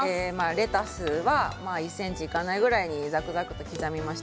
レタスは１ｃｍにいかないぐらいザクザク切っています。